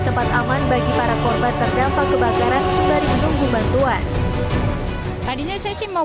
tempat aman bagi para korban terdampak kebakaran sembari menunggu bantuan tadinya saya sih mau